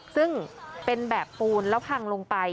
ซึ่งเป็นแบบปูนแล้วพังลงไป